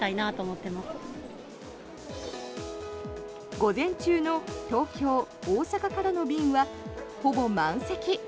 午前中の東京、大阪からの便はほぼ満席。